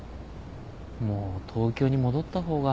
もう東京に戻った方が。